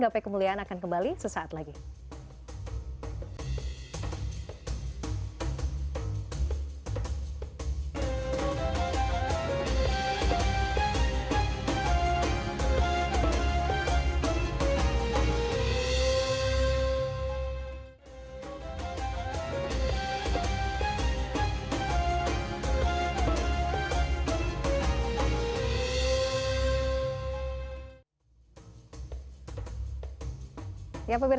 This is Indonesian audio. dan bagaimana nanti supaya meringankan hisap kita